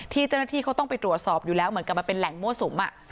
เจ้าหน้าที่เขาต้องไปตรวจสอบอยู่แล้วเหมือนกับมันเป็นแหล่งมั่วสุม